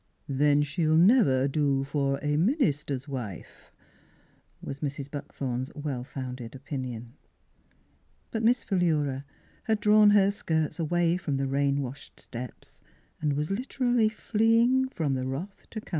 "" Then she'll never do for a minister's wife," was Mrs. Buckthorn's well founded opinion. But Miss Philura had drawn her skirts away from the rain washed steps and was literally fleeing from the wrath to come.